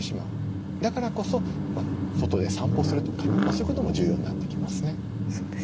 だからこそ外で散歩するとかそういうことも重要になってきますね。